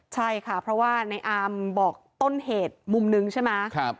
ใช่ค่ะเพราะว่าในอามบอกต้นเหตุมุมนึงใช่ไหม